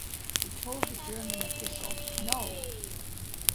He told the German official: No!